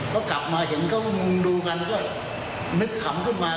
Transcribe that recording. ก็กลับมาเห็นเขาก็มุงดูกันแล้วก็นึกขำขึ้นมา